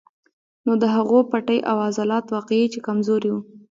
نو د هغو پټې او عضلات واقعي چې کمزوري وي